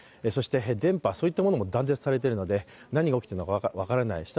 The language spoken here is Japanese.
そして電波も断絶されているので何が起きているのか分からない。